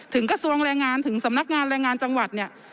กระทรวงแรงงานถึงสำนักงานแรงงานจังหวัดเนี่ย